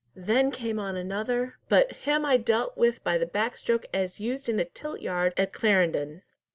Then came on another, but him I dealt with by the back stroke as used in the tilt yard at Clarendon."